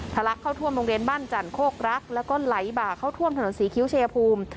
ลักเข้าท่วมโรงเรียนบ้านจันโคกรักแล้วก็ไหลบ่าเข้าท่วมถนนศรีคิ้วชัยภูมิ